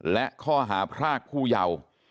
และข้อหาพรากผู้เยาว์